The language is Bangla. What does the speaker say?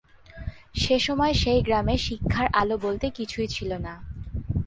সেসময় সেই গ্রামে শিক্ষার আলো বলতে কিছুই ছিল না।